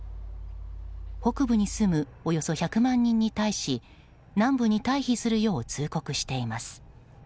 北部に住むおよそ１００万人に対し南部に退避するよう通告しています。